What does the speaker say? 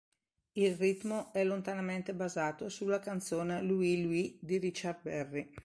Il ritmo è lontanamente basato sulla canzone "Louie Louie" di Richard Berry.